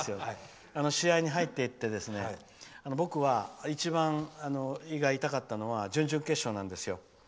試合に入っていって僕は一番、胃が痛かったのは準々決勝なんですよ。